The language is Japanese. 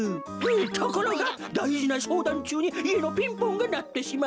「ところがだいじなしょうだんちゅうにいえのピンポンがなってしまい」。